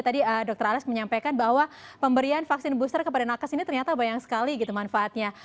tadi dokter alex menyampaikan bahwa pemberian vaksin booster kepada nakas ini ternyata banyak sekali gitu manfaatnya